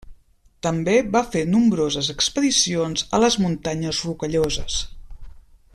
També va fer nombroses expedicions a les Muntanyes Rocalloses.